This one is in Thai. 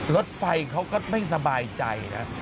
รถไฟเขาก็ไม่สบายใจนะ